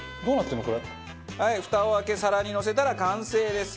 はいフタを開け皿にのせたら完成です。